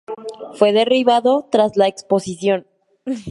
Fue derribado tras la Exposición.